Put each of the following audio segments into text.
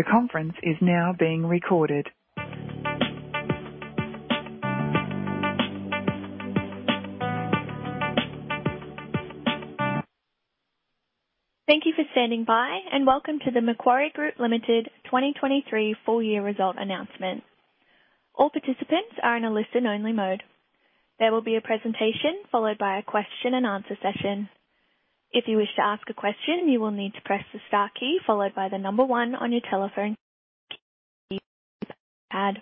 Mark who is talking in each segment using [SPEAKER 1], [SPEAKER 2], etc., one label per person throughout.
[SPEAKER 1] The conference is now being recorded. Thank you for standing by, and welcome to the Macquarie Group Limited 2023 full year result announcement. All participants are in a listen only mode. There will be a presentation followed by a question and answer session. If you wish to ask a question, you will need to press the star key followed by the number one on your telephone pad.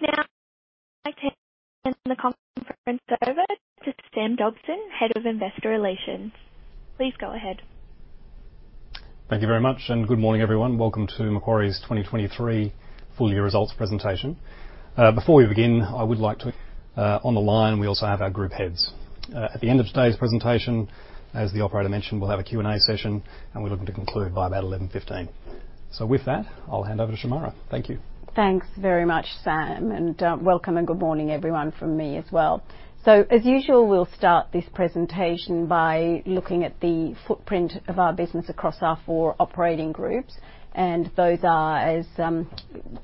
[SPEAKER 1] Now I'd like to hand the conference over to Sam Dobson, Head of Investor Relations. Please go ahead.
[SPEAKER 2] Thank you very much. Good morning, everyone. Welcome to Macquarie's 2023 full year results presentation. Before we begin, I would like to... On the line, we also have our group heads. At the end of today's presentation, as the operator mentioned, we'll have a Q&A session, and we're looking to conclude by about 11:15 A.M. With that, I'll hand over to Shemara. Thank you.
[SPEAKER 3] Thanks very much, Sam, and welcome and good morning everyone from me as well. As usual, we'll start this presentation by looking at the footprint of our business across our four operating groups. Those are, as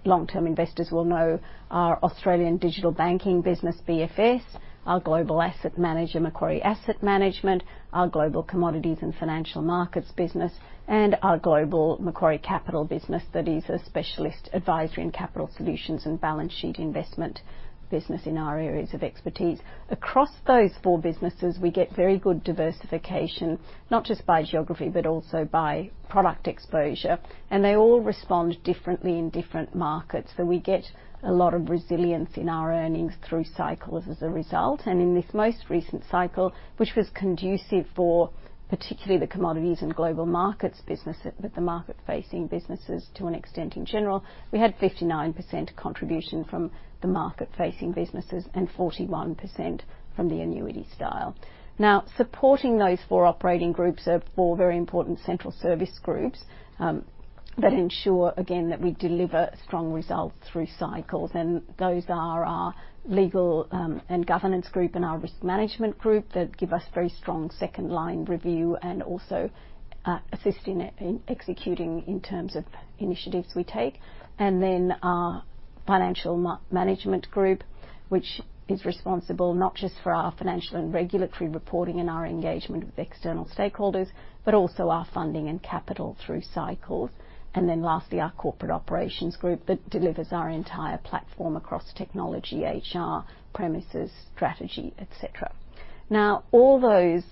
[SPEAKER 3] long-term investors will know, our Australian digital banking business, BFS, our global asset manager, Macquarie Asset Management, our global Commodities and Global Markets business, and our global Macquarie Capital business that is a specialist advisory in capital solutions and balance sheet investment business in our areas of expertise. Across those four businesses, we get very good diversification, not just by geography but also by product exposure, and they all respond differently in different markets. We get a lot of resilience in our earnings through cycles as a result. In this most recent cycle, which was conducive for particularly the Commodities and Global Markets business, but the market-facing businesses to an extent in general, we had 59% contribution from the market-facing businesses and 41% from the annuity style. Now, supporting those four operating groups are four very important central service groups that ensure, again, that we deliver strong results through cycles. Those are our legal and governance group and our risk management group that give us very strong second line review and also assist in executing in terms of initiatives we take. Then our financial management group, which is responsible not just for our financial and regulatory reporting and our engagement with external stakeholders, but also our funding and capital through cycles. Lastly, our Corporate Operations Group that delivers our entire platform across technology, HR, premises, strategy, et cetera. All those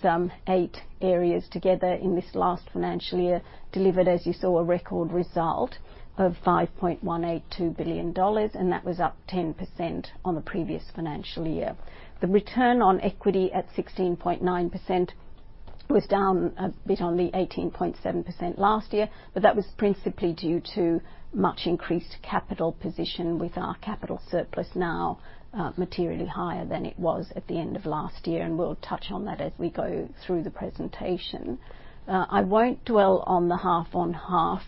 [SPEAKER 3] eight areas together in this last financial year delivered, as you saw, a record result of 5.182 billion dollars, and that was up 10% on the previous financial year. The return on equity at 16.9% was down a bit on the 18.7% last year, but that was principally due to much increased capital position with our capital surplus now materially higher than it was at the end of last year, and we'll touch on that as we go through the presentation. I won't dwell on the half-on-half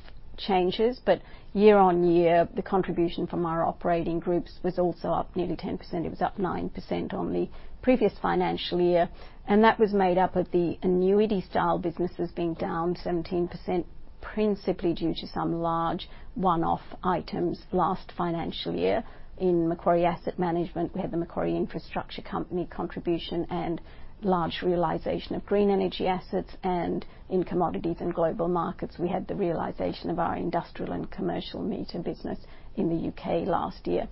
[SPEAKER 3] changes, but year-on-year, the contribution from our operating groups was also up nearly 10%. It was up 9% on the previous financial year. That was made up of the annuity style businesses being down 17%, principally due to some large one-off items last financial year. In Macquarie Asset Management, we had the Macquarie Infrastructure Company contribution and large realization of green energy assets. In Commodities and Global Markets, we had the realization of our industrial and commercial meter business in the UK last year.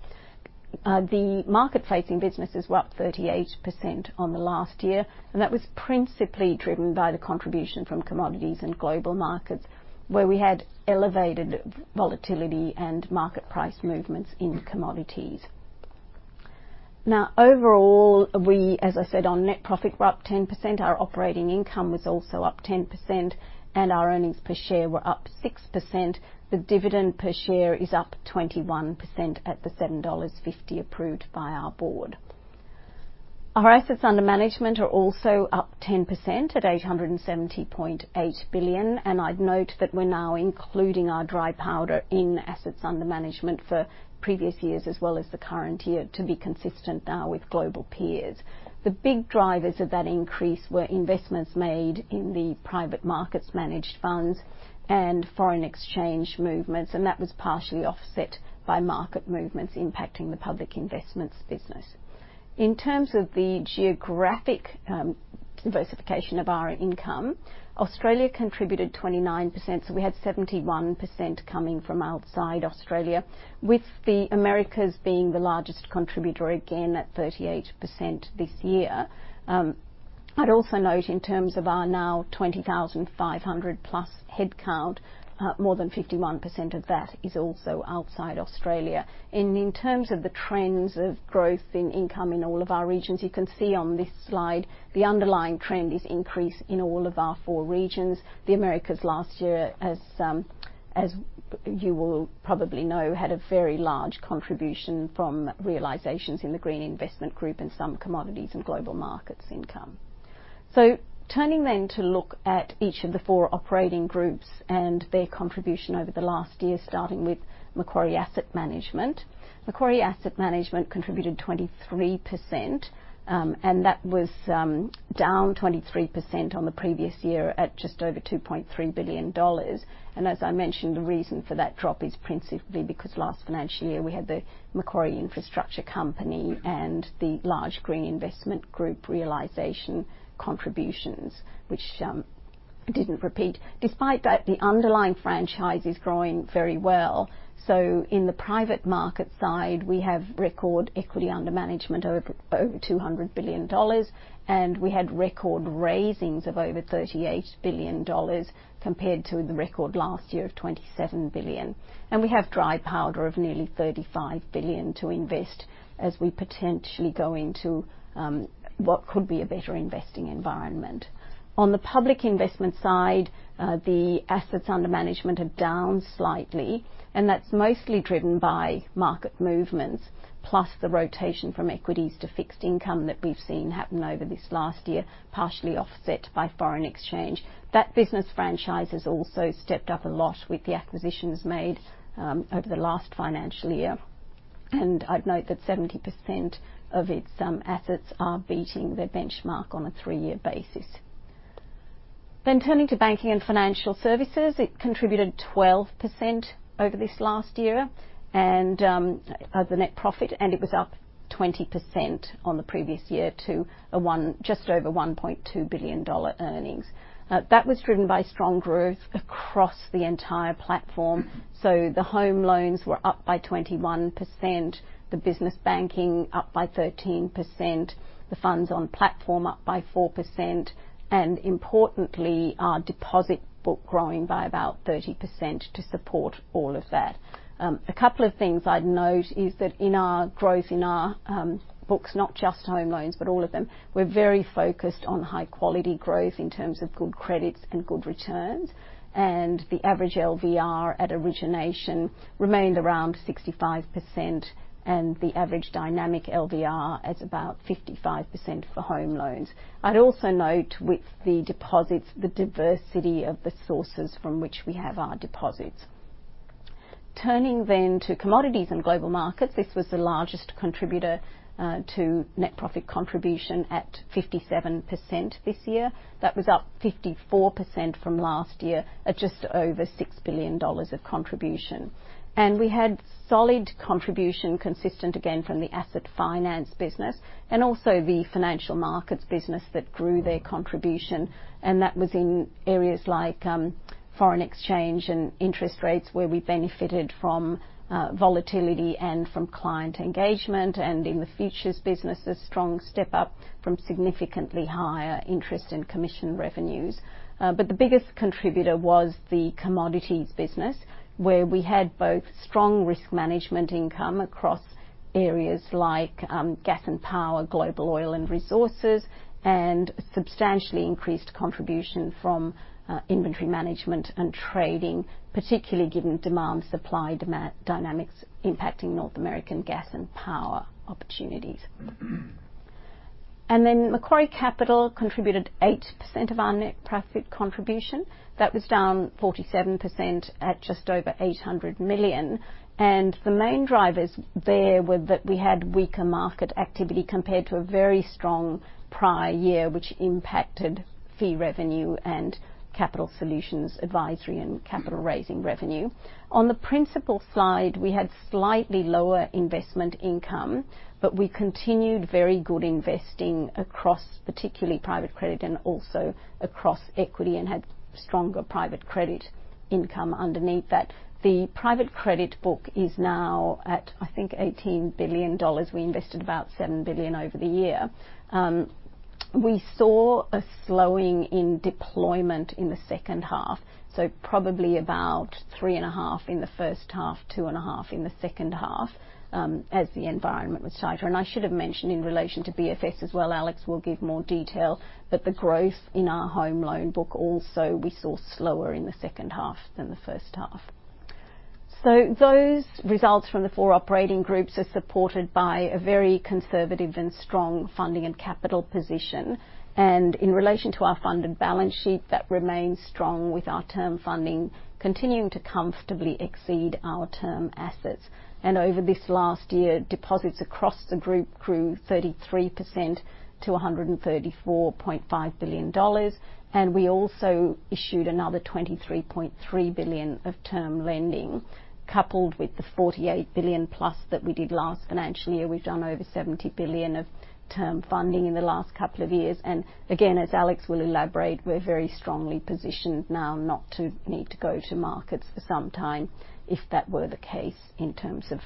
[SPEAKER 3] The market-facing businesses were up 38% on the last year. That was principally driven by the contribution from Commodities and Global Markets, where we had elevated volatility and market price movements in commodities. Overall, we, as I said, on net profit, we're up 10%. Our operating income was also up 10%. Our earnings per share were up 6%. The dividend per share is up 21% at the 7.50 dollars approved by our board. Our assets under management are also up 10% at 870.8 billion. I'd note that we're now including our dry powder in assets under management for previous years as well as the current year to be consistent with global peers. The big drivers of that increase were investments made in the private markets managed funds and foreign exchange movements. That was partially offset by market movements impacting the public investments business. In terms of the geographic diversification of our income, Australia contributed 29%. We had 71% coming from outside Australia, with the Americas being the largest contributor, again at 38% this year. I'd also note in terms of our now 20,500+ headcount, more than 51% of that is also outside Australia. In terms of the trends of growth in income in all of our regions, you can see on this slide the underlying trend is increase in all of our four regions. The Americas last year, as you will probably know, had a very large contribution from realizations in the Green Investment Group and some Commodities and Global Markets income. Turning then to look at each of the four operating groups and their contribution over the last year, starting with Macquarie Asset Management. Macquarie Asset Management contributed 23%, and that was down 23% on the previous year at just over 2.3 billion dollars. As I mentioned, the reason for that drop is principally because last financial year we had the Macquarie Infrastructure Company and the large Green Investment Group realization contributions, which didn't repeat. Despite that, the underlying franchise is growing very well. In the private market side, we have record equity under management over 200 billion dollars, and we had record raisings of over 38 billion dollars compared to the record last year of 27 billion. We have dry powder of nearly 35 billion to invest as we potentially go into what could be a better investing environment. On the public investment side, the assets under management are down slightly, and that's mostly driven by market movements, plus the rotation from equities to fixed income that we've seen happen over this last year, partially offset by foreign exchange. That business franchise has also stepped up a lot with the acquisitions made over the last financial year, and I'd note that 70% of its assets are beating their benchmark on a three-year basis. Turning to Banking and Financial Services, it contributed 12% over this last year of the net profit, and it was up 20% on the previous year to just over 1.2 billion dollar earnings. That was driven by strong growth across the entire platform. The home loans were up by 21%, the business banking up by 13%, the funds on platform up by 4%, and importantly, our deposit book growing by about 30% to support all of that. A couple of things I'd note is that in our growth in our books, not just home loans, but all of them, we're very focused on high-quality growth in terms of good credits and good returns. The average LVR at origination remained around 65% and the average dynamic LVR at about 55% for home loans. I'd also note with the deposits, the diversity of the sources from which we have our deposits. Turning to Commodities and Global Markets, this was the largest contributor to net profit contribution at 57% this year. That was up 54% from last year at just over 6 billion dollars of contribution. We had solid contribution consistent again from the asset finance business and also the financial markets business that grew their contribution. That was in areas like foreign exchange and interest rates where we benefited from volatility and from client engagement. In the futures business, a strong step up from significantly higher interest in commission revenues. The biggest contributor was the commodities business, where we had both strong risk management income across areas like gas and power, global oil and resources, and substantially increased contribution from inventory management and trading, particularly given demand, supply dynamics impacting North American gas and power opportunities. Macquarie Capital contributed 8% of our net profit contribution. That was down 47% at just over 800 million. The main drivers there were that we had weaker market activity compared to a very strong prior year, which impacted fee revenue and capital solutions advisory and capital raising revenue. On the principal side, we had slightly lower investment income, but we continued very good investing across particularly private credit and also across equity and had stronger private credit income underneath that. The private credit book is now at, I think, 18 billion dollars. We invested about 7 billion over the year. We saw a slowing in deployment in the H2, so probably about three and a half in the H1, two and a half in the H2, as the environment was tighter. I should have mentioned in relation to BFS as well, Alex will give more detail, but the growth in our home loan book also we saw slower in the H2 than the H1. Those results from the four operating groups are supported by a very conservative and strong funding and capital position. In relation to our funded balance sheet, that remains strong with our term funding continuing to comfortably exceed our term assets. Over this last year, deposits across the group grew 33% to 134.5 billion dollars. We also issued another 23.3 billion of term lending, coupled with the 48 billion+ that we did last financial year. We've done over 70 billion of term funding in the last couple of years. Again, as Alex will elaborate, we're very strongly positioned now not to need to go to markets for some time if that were the case in terms of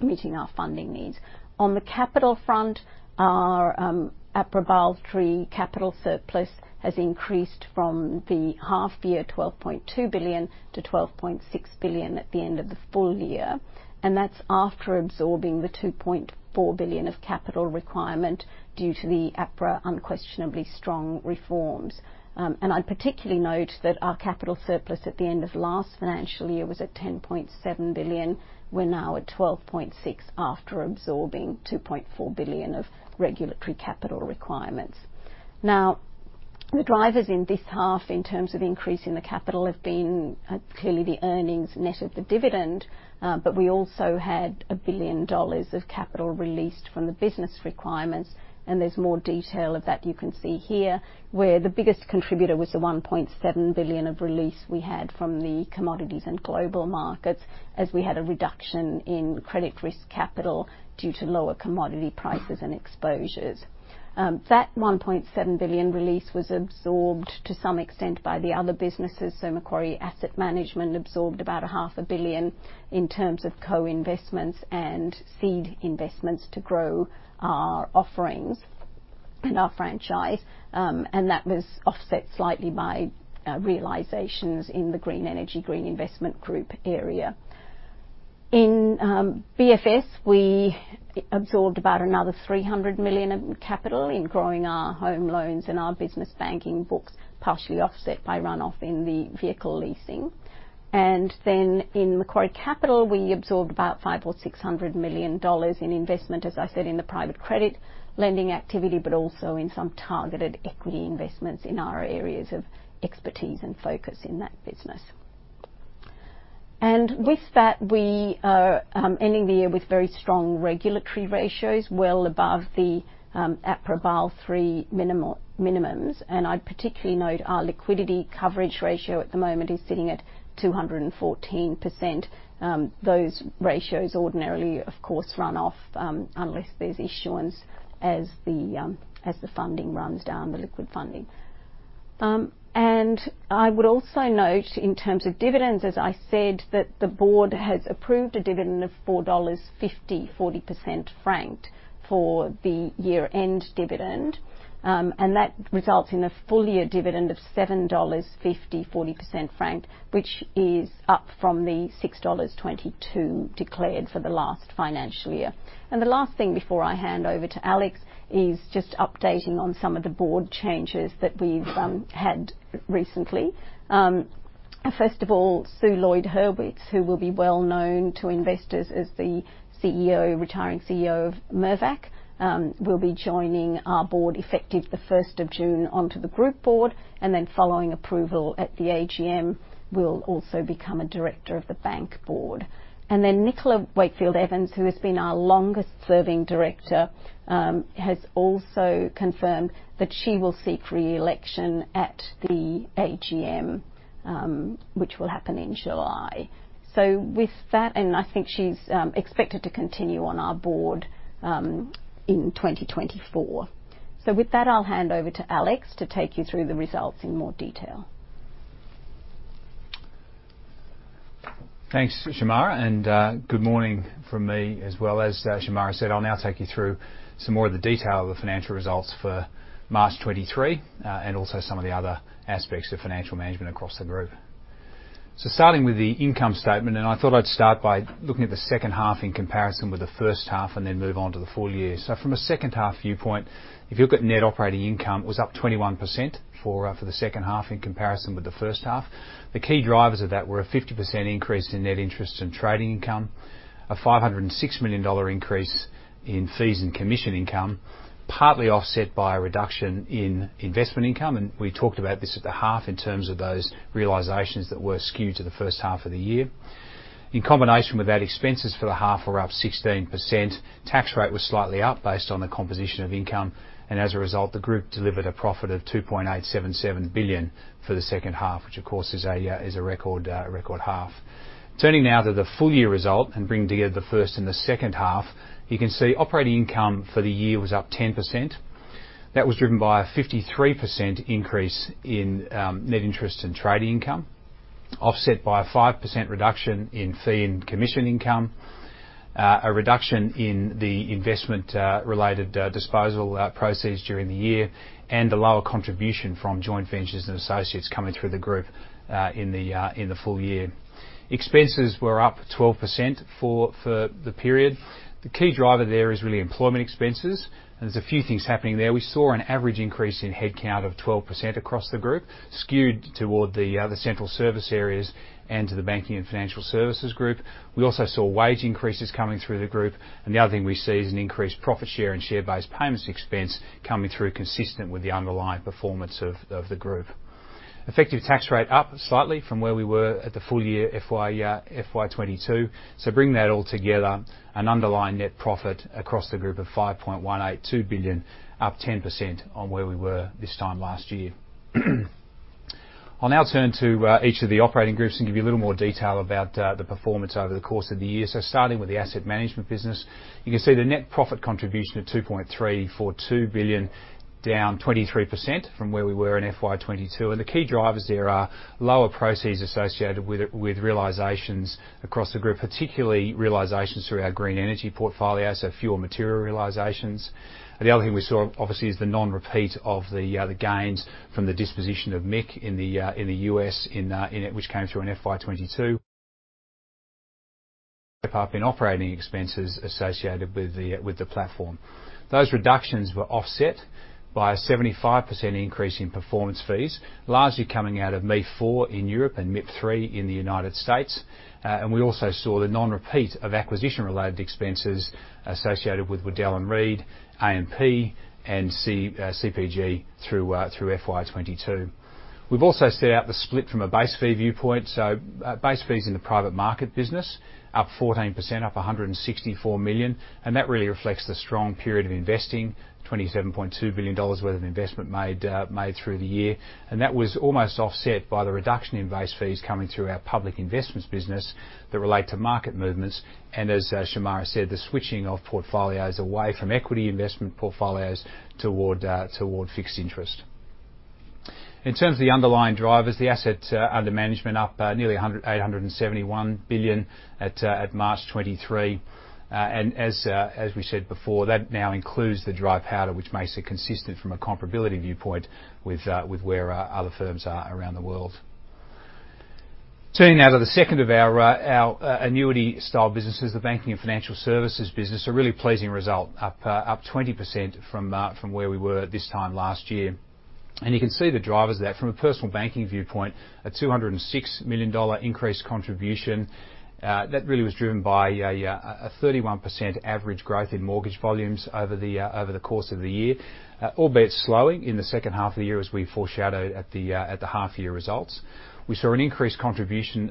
[SPEAKER 3] meeting our funding needs. On the capital front, our APRA voluntary capital surplus has increased from the half year 12.2 billion to 12.6 billion at the end of the full year. That's after absorbing 2.4 billion of capital requirement due to the APRA unquestionably strong reforms. I'd particularly note that our capital surplus at the end of last financial year was at 10.7 billion. We're now at 12.6 after absorbing 2.4 billion of regulatory capital requirements. The drivers in this half in terms of increasing the capital have been clearly the earnings net of the dividend. We also had 1 billion dollars of capital released from the business requirements, and there's more detail of that you can see here, where the biggest contributor was 1.7 billion of release we had from the Commodities and Global Markets, as we had a reduction in credit risk capital due to lower commodity prices and exposures. That 1.7 billion release was absorbed to some extent by the other businesses. Macquarie Asset Management absorbed about a half a billion in terms of co-investments and seed investments to grow our offerings and our franchise. That was offset slightly by realizations in the green energy, Green Investment Group area. In BFS, we absorbed about another 300 million in capital in growing our home loans and our business banking books, partially offset by runoff in the vehicle leasing. In Macquarie Capital, we absorbed about 500 million-600 million dollars in investment, as I said, in the private credit lending activity, but also in some targeted equity investments in our areas of expertise and focus in that business. With that, we are ending the year with very strong regulatory ratios well above APRA's three minimums. I'd particularly note our Liquidity Coverage Ratio at the moment is sitting at 214%. Those ratios ordinarily, of course, run off unless there's issuance as the funding runs down, the liquid funding. I would also note in terms of dividends, as I said, that the Board has approved a dividend of 4.50 dollars, 40% franked for the year-end dividend. That results in a full year dividend of 7.50 dollars, 40% franked, which is up from the 6.22 dollars declared for the last financial year. The last thing before I hand over to Alex is just updating on some of the Board changes that we've had recently. First of all, Sue Lloyd-Hurwitz, who will be well known to investors as the CEO, retiring CEO of Mirvac, will be joining our board effective the 1st of June onto the group board, and then following approval at the AGM, will also become a director of the bank board. Nicola Wakefield Evans, who has been our longest serving director, has also confirmed that she will seek re-election at the AGM, which will happen in July. I think she's expected to continue on our board in 2024. I'll hand over to Alex to take you through the results in more detail.
[SPEAKER 4] Thanks, Shemara, and good morning from me as well. As Shemara said, I'll now take you through some more of the detail of the financial results for March 2023, and also some of the other aspects of financial management across the group. Starting with the income statement, I thought I'd start by looking at the H2 in comparison with the H1 and then move on to the full year. From a H1 viewpoint, if you look at net operating income, it was up 21% for the H1 in comparison with the H1. The key drivers of that were a 50% increase in net interest and trading income, a 506 million dollar increase in fees and commission income, partly offset by a reduction in investment income. We talked about this at the half in terms of those realizations that were skewed to the H1 of the year. In combination with that, expenses for the half were up 16%. Tax rate was slightly up based on the composition of income. As a result, the group delivered a profit of 2.877 billion for the H2, which of course is a record, a record half. Turning now to the full year result and bringing together the first and the H2, you can see operating income for the year was up 10%. That was driven by a 53% increase in net interest and trading income, offset by a 5% reduction in fee and commission income, a reduction in the investment related disposal proceeds during the year, and a lower contribution from joint ventures and associates coming through the group in the full year. Expenses were up 12% for the period. The key driver there is really employment expenses, there's a few things happening there. We saw an average increase in headcount of 12% across the group, skewed toward the central service areas and to the Banking and Financial Services group. We also saw wage increases coming through the group. The other thing we see is an increased profit share and share-based payments expense coming through consistent with the underlying performance of the group. Effective tax rate up slightly from where we were at the full year FY2022. Bringing that all together, an underlying net profit across the group of 5.182 billion, up 10% on where we were this time last year. I'll now turn to each of the operating groups and give you a little more detail about the performance over the course of the year. Starting with the Asset Management business, you can see the net profit contribution of 2.342 billion, down 23% from where we were in FY2022. The key drivers there are lower proceeds associated with realizations across the group, particularly realizations through our green energy portfolio, so fewer material realizations. The other thing we saw, obviously, is the non-repeat of the gains from the disposition of MIC in the U.S. in it, which came through in FY2022. Up in operating expenses associated with the platform. Those reductions were offset by a 75% increase in performance fees, largely coming out of MiFID II in Europe and MIP III in the United States. We also saw the non-repeat of acquisition-related expenses associated with Waddell & Reed, AMP, and CPG through FY2022. We've also set out the split from a base fee viewpoint. Base fees in the private market business up 14%, up 164 million, and that really reflects the strong period of investing, 27.2 billion dollars worth of investment made through the year. That was almost offset by the reduction in base fees coming through our public investments business that relate to market movements, and as Shemara said, the switching of portfolios away from equity investment portfolios toward fixed interest. In terms of the underlying drivers, the assets under management up nearly 871 billion at March 2023. As we said before, that now includes the dry powder, which makes it consistent from a comparability viewpoint with where other firms are around the world. Turning now to the second of our annuity-style businesses, the Banking and Financial Services business. A really pleasing result. Up 20% from where we were this time last year. You can see the drivers of that. From a personal banking viewpoint, a 206 million dollar increased contribution. That really was driven by a 31% average growth in mortgage volumes over the course of the year, albeit slowing in the H1 of the year as we foreshadowed at the half-year results. We saw an increased contribution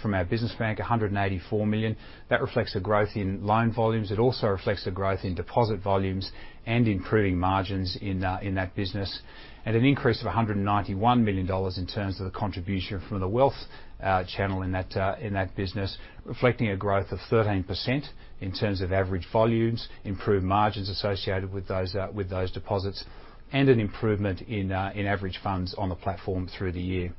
[SPEAKER 4] from our business bank, 184 million. That reflects the growth in loan volumes. It also reflects the growth in deposit volumes and improving margins in that business. An increase of 191 million dollars in terms of the contribution from the wealth channel in that in that business, reflecting a growth of 13% in terms of average volumes, improved margins associated with those with those deposits, and an improvement in average funds on the platform through the year.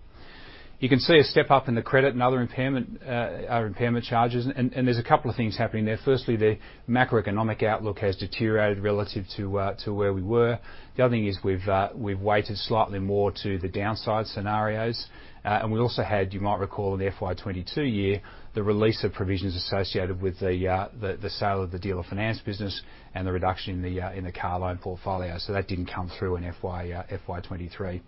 [SPEAKER 4] You can see a step-up in the credit and other impairment impairment charges, and there's a couple of things happening there. Firstly, the macroeconomic outlook has deteriorated relative to where we were. The other thing is we've weighted slightly more to the downside scenarios. We also had, you might recall, in the FY2022 year, the release of provisions associated with the sale of the dealer finance business and the reduction in the car loan portfolio. That didn't come through in FY2023.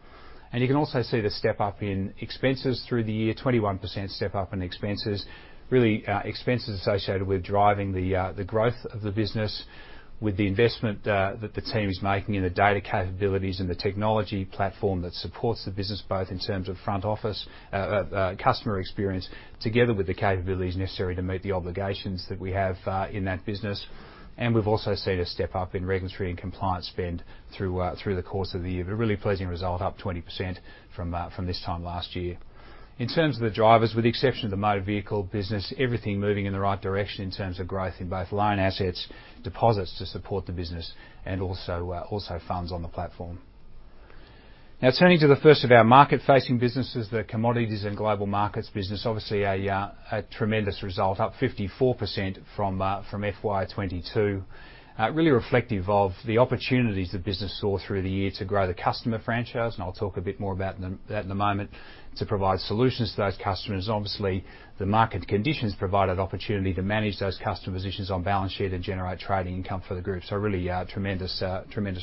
[SPEAKER 4] You can also see the step-up in expenses through the year, 21% step-up in expenses. Really, expenses associated with driving the growth of the business with the investment that the team is making in the data capabilities and the technology platform that supports the business, both in terms of front office customer experience, together with the capabilities necessary to meet the obligations that we have in that business. We've also seen a step-up in regulatory and compliance spend through the course of the year. Really pleasing result, up 20% from this time last year. In terms of the drivers, with the exception of the motor vehicle business, everything moving in the right direction in terms of growth in both loan assets, deposits to support the business and also funds on the platform. Now turning to the first of our market-facing businesses, the Commodities and Global Markets business. Obviously a tremendous result, up 54% from FY2022. Really reflective of the opportunities the business saw through the year to grow the customer franchise, and I'll talk a bit more about them, that in a moment, to provide solutions to those customers. Obviously, the market conditions provided opportunity to manage those customer positions on balance sheet and generate trading income for the group. Really a tremendous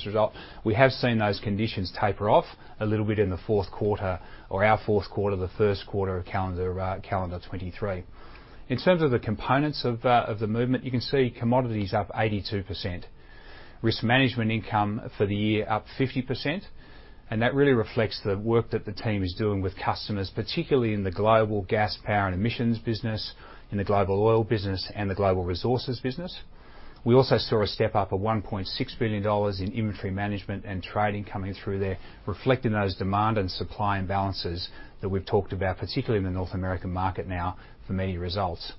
[SPEAKER 4] result. We have seen those conditions taper off a little bit in the Q4 or our Q4, the Q1 of calendar 2023. In terms of the components of the movement, you can see commodities up 82%. Risk management income for the year up 50%, and that really reflects the work that the team is doing with customers, particularly in the global gas, power, and emissions business, in the global oil business, and the global resources business. We also saw a step-up of $1.6 billion in inventory management and trading coming through there, reflecting those demand and supply imbalances that we've talked about, particularly in the North American market now for many results.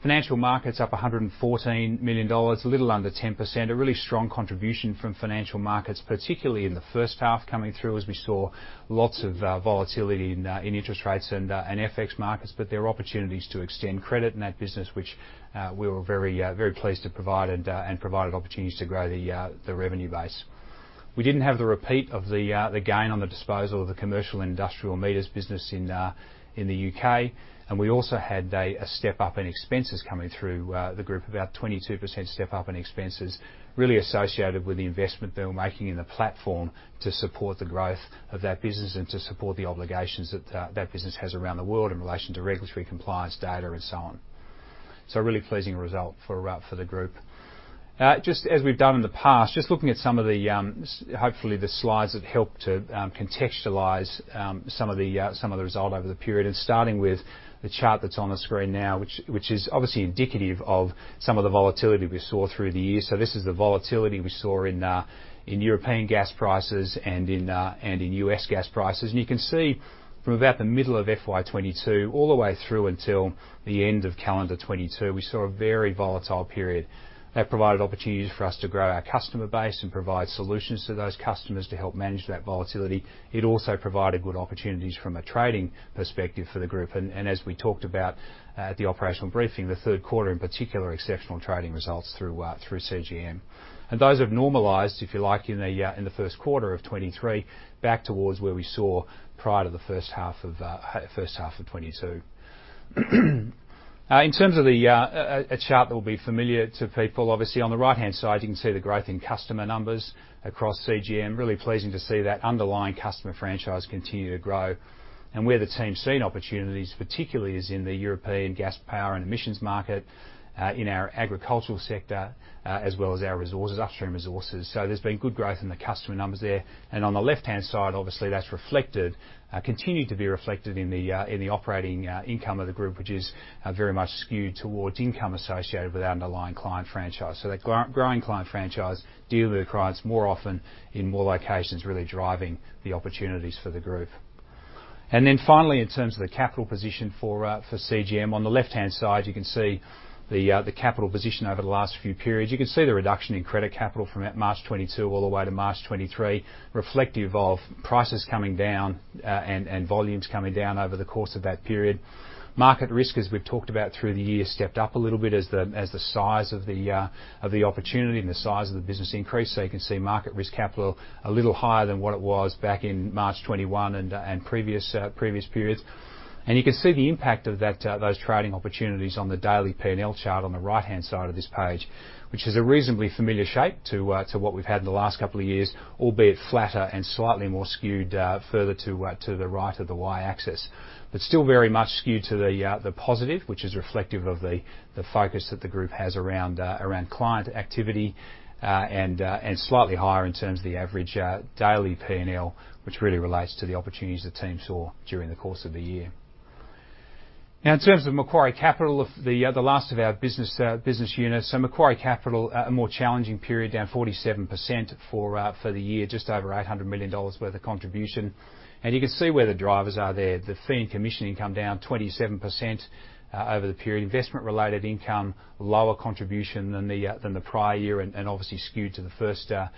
[SPEAKER 4] Financial markets up $114 million, a little under 10%. A really strong contribution from financial markets, particularly in the H1 coming through as we saw lots of volatility in interest rates and FX markets. There are opportunities to extend credit in that business which we were very pleased to provide and provided opportunities to grow the revenue base. We didn't have the repeat of the gain on the disposal of the commercial industrial meters business in the UK. We also had a step-up in expenses coming through the group, about 22% step-up in expenses, really associated with the investment that we're making in the platform to support the growth of that business and to support the obligations that business has around the world in relation to regulatory compliance data and so on. A really pleasing result for the group. Just as we've done in the past, just looking at some of the hopefully the slides that help to contextualize some of the result over the period, and starting with the chart that's on the screen now, which is obviously indicative of some of the volatility we saw through the year. This is the volatility we saw in European gas prices and in US gas prices. You can see from about the middle of FY2022 all the way through until the end of calendar 2022, we saw a very volatile period. That provided opportunities for us to grow our customer base and provide solutions to those customers to help manage that volatility. It also provided good opportunities from a trading perspective for the group. As we talked about at the operational briefing, the Q3 in particular, exceptional trading results through CGM. Those have normalized, if you like, in the Q1 of FY2023, back towards where we saw prior to the H1 of FY2022. In terms of a chart that will be familiar to people, obviously on the right-hand side, you can see the growth in customer numbers across CGM. Really pleasing to see that underlying customer franchise continue to grow. Where the team's seen opportunities particularly is in the European gas power and emissions market, in our agricultural sector, as well as our resources, upstream resources. There's been good growth in the customer numbers there. On the left-hand side, obviously that's reflected, continued to be reflected in the operating income of the group, which is very much skewed towards income associated with our underlying client franchise. That growing client franchise deal with clients more often in more locations, really driving the opportunities for the group. Finally, in terms of the capital position for CGM, on the left-hand side, you can see the capital position over the last few periods. You can see the reduction in credit capital from at March 2022 all the way to March 2023, reflective of prices coming down and volumes coming down over the course of that period. Market risk, as we've talked about through the year, stepped up a little bit as the, as the size of the opportunity and the size of the business increased. You can see market risk capital a little higher than what it was back in March 2021 and previous periods. You can see the impact of that, those trading opportunities on the daily P&L chart on the right-hand side of this page, which is a reasonably familiar shape to what we've had in the last couple of years, albeit flatter and slightly more skewed, further to the right of the Y-axis. Still very much skewed to the positive, which is reflective of the focus that the group has around client activity, and slightly higher in terms of the average daily P&L, which really relates to the opportunities the team saw during the course of the year. In terms of Macquarie Capital, of the last of our business units. Macquarie Capital, a more challenging period, down 47% for the year, just over 800 million dollars worth of contribution. You can see where the drivers are there. The fee and commission income down 27% over the period. Investment related income, lower contribution than the prior year and obviously skewed to the H1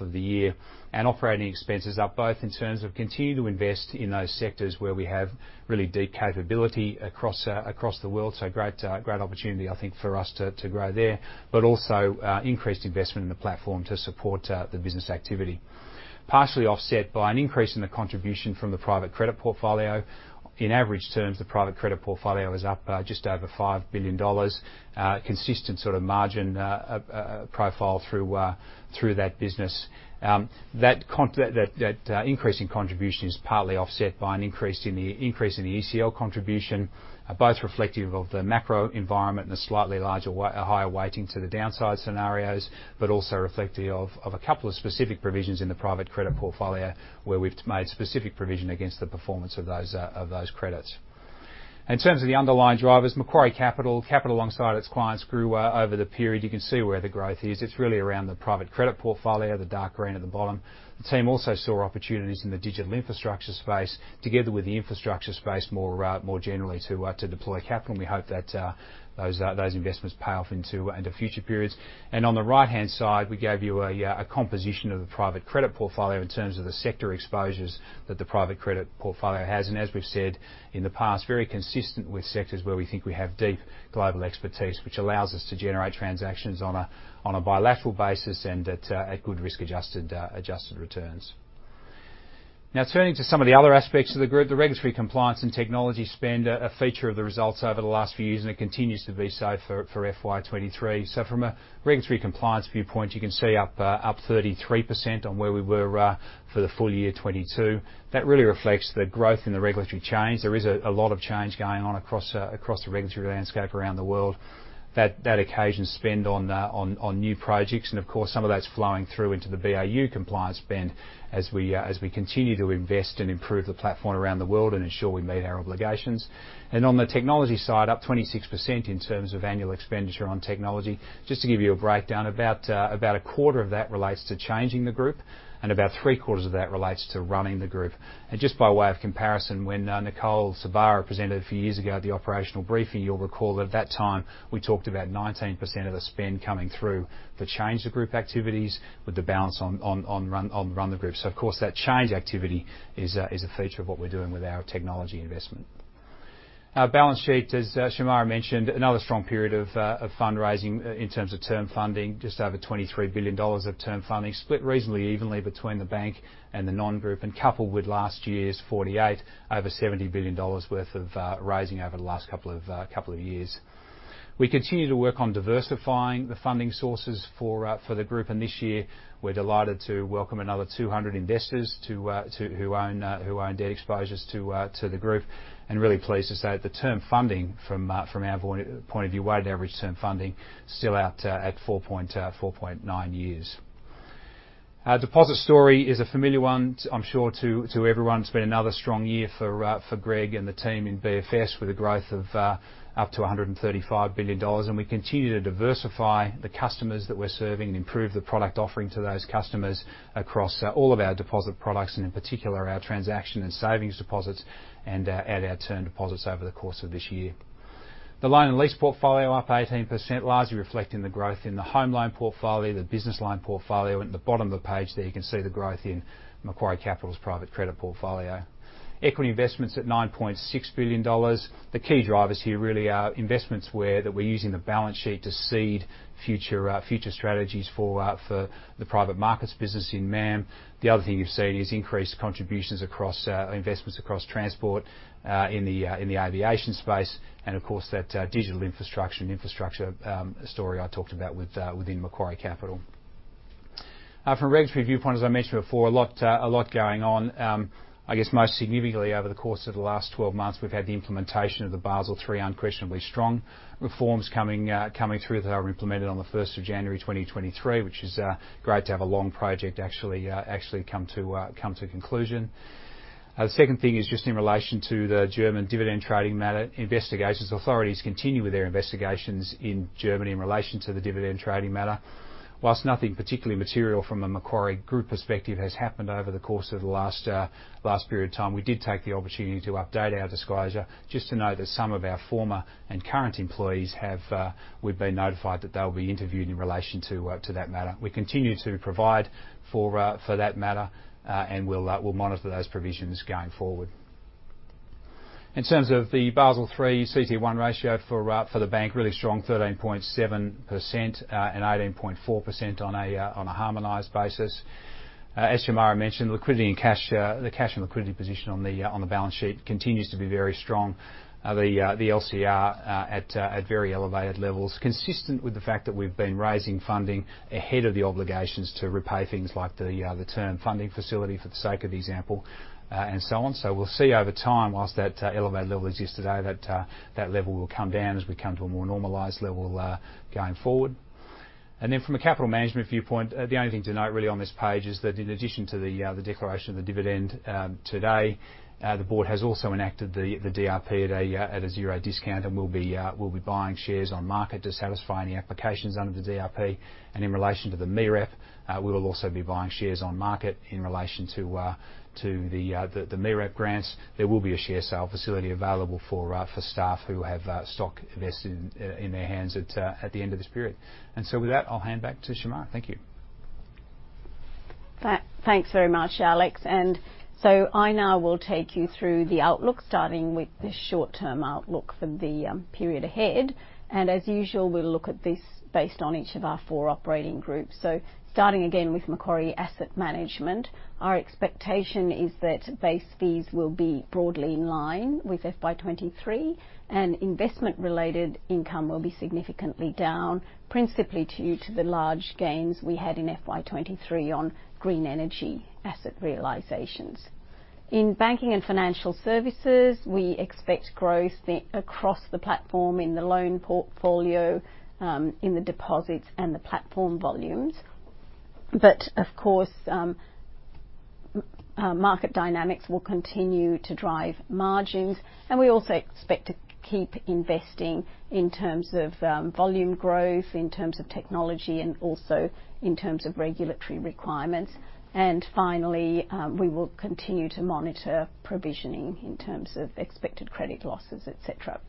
[SPEAKER 4] of the year. Operating expenses up both in terms of continue to invest in those sectors where we have really deep capability across the world, so great opportunity I think for us to grow there. Also, increased investment in the platform to support, the business activity. Partially offset by an increase in the contribution from the private credit portfolio. In average terms, the private credit portfolio is up, just over 5 billion dollars. Consistent sort of margin profile through that business. That, that increase in contribution is partly offset by an increase in the ECL contribution, both reflective of the macro environment and the slightly larger a higher weighting to the downside scenarios, but also reflective of a couple of specific provisions in the private credit portfolio, where we've made specific provision against the performance of those credits. In terms of the underlying drivers, Macquarie Capital, capital alongside its clients grew over the period. You can see where the growth is. It's really around the private credit portfolio, the dark green at the bottom. The team also saw opportunities in the digital infrastructure space, together with the infrastructure space more generally to deploy capital, and we hope that those investments pay off into future periods. On the right-hand side, we gave you a composition of the private credit portfolio in terms of the sector exposures that the private credit portfolio has. As we've said in the past, very consistent with sectors where we think we have deep global expertise, which allows us to generate transactions on a bilateral basis and at good risk adjusted returns. Turning to some of the other aspects of the group, the regulatory compliance and technology spend, a feature of the results over the last few years, and it continues to be so for FY2023. From a regulatory compliance viewpoint, you can see up 33% on where we were for the full year 2022. That really reflects the growth in the regulatory change. There is a lot of change going on across the regulatory landscape around the world. That occasions spend on new projects and of course some of that's flowing through into the BAU compliance spend as we continue to invest and improve the platform around the world and ensure we meet our obligations. On the technology side, up 26% in terms of annual expenditure on technology. Just to give you a breakdown, about a quarter of that relates to changing the group, and about Q3 of that relates to running the group. Just by way of comparison, when Nicol Sorbara presented a few years ago at the operational briefing, you'll recall that at that time, we talked about 19% of the spend coming through the change of group activities, with the balance on run the group. Of course, that change activity is a feature of what we're doing with our technology investment. Our balance sheet, as Shemara mentioned, another strong period of fundraising in terms of term funding. Just over 23 billion dollars of term funding, split reasonably evenly between the bank and the non-group. Coupled with last year's 48, over 70 billion dollars worth of raising over the last couple of years. We continue to work on diversifying the funding sources for the group, this year we're delighted to welcome another 200 investors to who own debt exposures to the group. Really pleased to say that the term funding from our point of view, weighted average term funding, still out at four years and nine months. Our deposit story is a familiar one, I'm sure to everyone. It's been another strong year for Greg and the team in BFS, with a growth of up to 135 billion dollars. We continue to diversify the customers that we're serving and improve the product offering to those customers across all of our deposit products, and in particular our transaction and savings deposits and our term deposits over the course of this year. The loan and lease portfolio up 18%, largely reflecting the growth in the home loan portfolio, the business loan portfolio. At the bottom of the page there, you can see the growth in Macquarie Capital's private credit portfolio. Equity investments at $9.6 billion. The key drivers here really are investments where, that we're using the balance sheet to seed future future strategies for the private markets business in MAM. The other thing you see is increased contributions across investments across transport in the in the aviation space and of course that digital infrastructure and infrastructure story I talked about within Macquarie Capital. From a regulatory viewpoint, as I mentioned before, a lot going on. I guess most significantly over the course of the last 12 months, we've had the implementation of the Basel III unquestionably strong reforms coming through that are implemented on the first of January, 2023, which is great to have a long project actually come to conclusion. The second thing is just in relation to the German dividend trading matter. Investigations authorities continue with their investigations in Germany in relation to the dividend trading matter. Whilst nothing particularly material from a Macquarie Group perspective has happened over the course of the last period of time, we did take the opportunity to update our disclosure just to know that some of our former and current employees have, we've been notified that they'll be interviewed in relation to that matter. We continue to provide for that matter, and we'll monitor those provisions going forward. In terms of the Basel III CT1 ratio for the bank, really strong 13.7%, and 18.4% on a harmonized basis. As Shemara mentioned, liquidity and cash, the cash and liquidity position on the balance sheet continues to be very strong. The LCR at very elevated levels, consistent with the fact that we've been raising funding ahead of the obligations to repay things like the Term Funding Facility for the sake of example, and so on. We'll see over time, whilst that elevated level exists today, that level will come down as we come to a more normalized level going forward. From a capital management viewpoint, the only thing to note really on this page is that in addition to the declaration of the dividend today, the board has also enacted the DRP at a zero discount and will be buying shares on market to satisfy any applications under the DRP. In relation to the MREP, we will also be buying shares on market in relation to the MREP grants. There will be a share sale facility available for staff who have stock vested in their hands at the end of this period. With that, I'll hand back to Shemara. Thank you.
[SPEAKER 3] Thanks very much, Alex. I now will take you through the outlook, starting with the short-term outlook for the period ahead. As usual, we'll look at this based on each of our four operating groups. Starting again with Macquarie Asset Management, our expectation is that base fees will be broadly in line with FY2023, and investment related income will be significantly down, principally due to the large gains we had in FY2023 on green energy asset realizations. In Banking and Financial Services, we expect growth across the platform in the loan portfolio, in the deposits and the platform volumes. Of course, market dynamics will continue to drive margins. We also expect to keep investing in terms of volume growth, in terms of technology, and also in terms of regulatory requirements. Finally, we will continue to monitor provisioning in terms of expected credit losses, et cetera.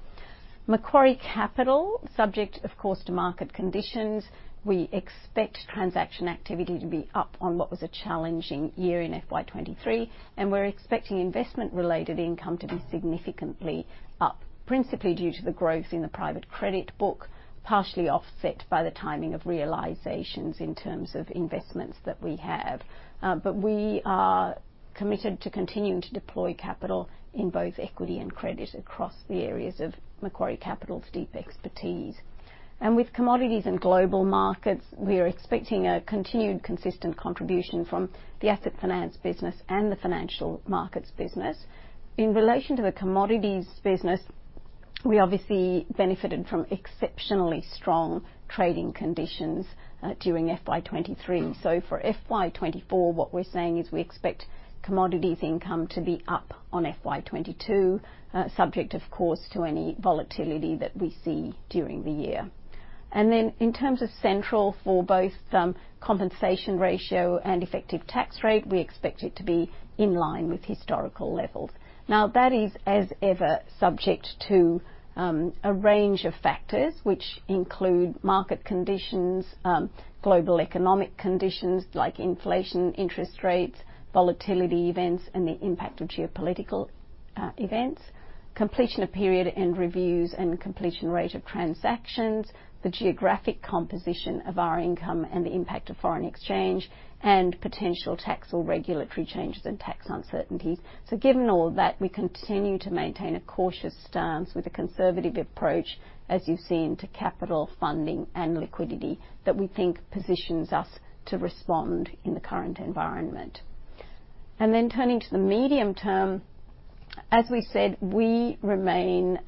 [SPEAKER 3] Macquarie Capital, subject of course to market conditions, we expect transaction activity to be up on what was a challenging year in FY2023, and we're expecting investment related income to be significantly up, principally due to the growth in the private credit book, partially offset by the timing of realizations in terms of investments that we have. We are committed to continuing to deploy capital in both equity and credit across the areas of Macquarie Capital's deep expertise. With Commodities and Global Markets, we are expecting a continued consistent contribution from the asset finance business and the financial markets business. In relation to the commodities business, we obviously benefited from exceptionally strong trading conditions during FY2023. For FY2024, what we're saying is we expect Commodities income to be up on FY2022, subject of course to any volatility that we see during the year. In terms of Central, for both, compensation ratio and effective tax rate, we expect it to be in line with historical levels. That is as ever subject to a range of factors, which include market conditions, global economic conditions like inflation, interest rates, volatility events, and the impact of geopolitical events. Completion of period and reviews and completion rate of transactions, the geographic composition of our income and the impact of foreign exchange, and potential tax or regulatory changes and tax uncertainties. Given all that, we continue to maintain a cautious stance with a conservative approach, as you've seen, to capital funding and liquidity that we think positions us to respond in the current environment. Turning to the medium term, as we've said, we remain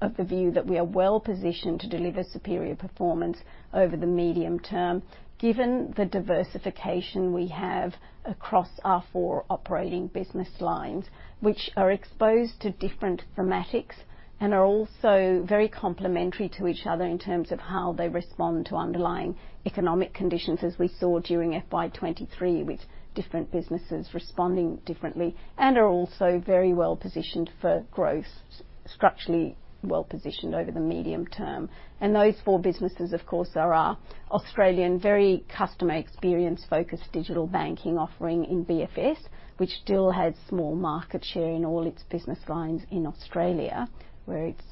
[SPEAKER 3] of the view that we are well-positioned to deliver superior performance over the medium term, given the diversification we have across our four operating business lines, which are exposed to different thematics and are also very complementary to each other in terms of how they respond to underlying economic conditions, as we saw during FY2023, with different businesses responding differently, and are also very well-positioned for growth, structurally well-positioned over the medium term. Those four businesses, of course, are our Australian very customer experience focused digital banking offering in BFS, which still has small market share in all its business lines in Australia, where its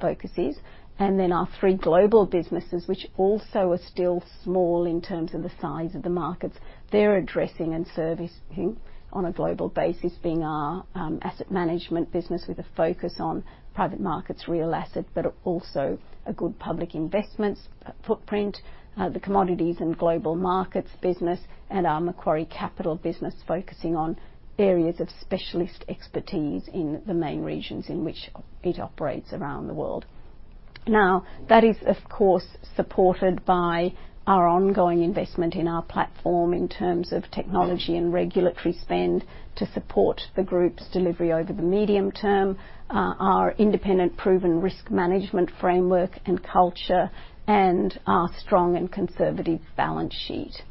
[SPEAKER 3] focus is. Our three global businesses, which also are still small in terms of the size of the markets they're addressing and servicing on a global basis being our asset management business with a focus on private markets, real assets, but also a good public investments footprint. The Commodities and Global Markets business and our Macquarie Capital business focusing on areas of specialist expertise in the main regions in which it operates around the world. That is, of course, supported by our ongoing investment in our platform in terms of technology and regulatory spend to support the group's delivery over the medium term. Our independent proven risk management framework and culture and our strong and conservative balance sheet.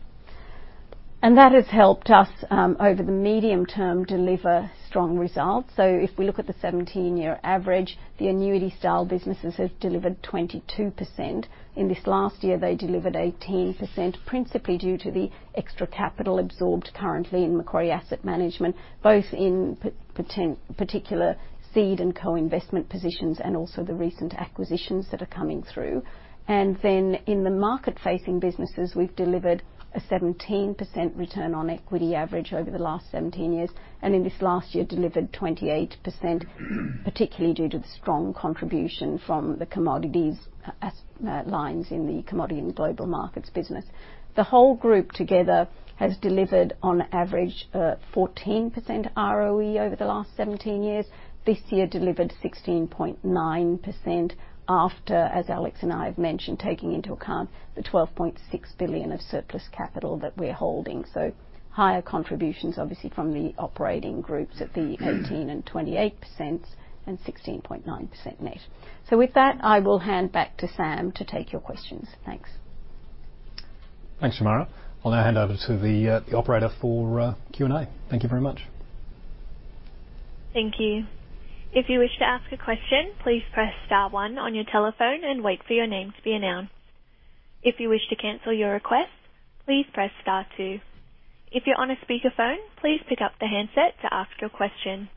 [SPEAKER 3] That has helped us over the medium term, deliver strong results. If we look at the 17-year average, the annuity style businesses have delivered 22%. In this last year, they delivered 18%, principally due to the extra capital absorbed currently in Macquarie Asset Management, both in particular seed and co-investment positions, and also the recent acquisitions that are coming through. Then in the market-facing businesses, we've delivered a 17% ROE average over the last 17 years. In this last year delivered 28%, particularly due to the strong contribution from the commodities as lines in the Commodities and Global Markets business. The whole group together has delivered on average, 14% ROE over the last 17 years. This year delivered 16.9% after, as Alex and I have mentioned, taking into account the 12.6 billion of surplus capital that we're holding. Higher contributions obviously from the operating groups at the 18% and 28% and 16.9% net. With that, I will hand back to Sam to take your questions. Thanks.
[SPEAKER 2] Thanks, Shemara. I'll now hand over to the operator for Q&A. Thank you very much.
[SPEAKER 1] Thank you. If you wish to ask a question, please press star one on your telephone and wait for your name to be announced. If you wish to cancel your request, please press star two. If you're on a speakerphone, please pick up the handset to ask your question.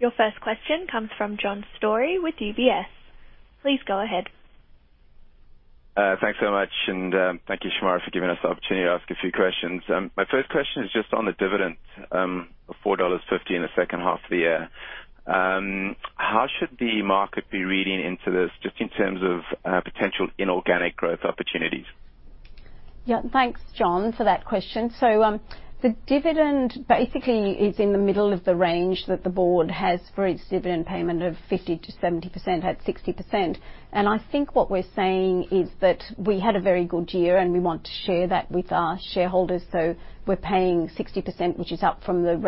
[SPEAKER 1] Your first question comes from John Storey with UBS. Please go ahead.
[SPEAKER 5] Thanks so much, and thank you, Shemara, for giving us the opportunity to ask a few questions. My first question is just on the dividend, of 4.50 dollars in the H2 of the year. How should the market be reading into this just in terms of potential inorganic growth opportunities?
[SPEAKER 3] Yeah. Thanks, John, for that question. The dividend basically is in the middle of the range that the board has for its dividend payment of 50%-70% at 60%. I think what we're saying is that we had a very good year, and we want to share that with our shareholders. We're paying 60%, which is up from the.